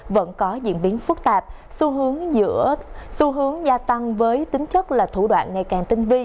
vẫn có diễn biến phức tạp xu hướng gia tăng với tính chất là thủ đoạn ngày càng tinh vi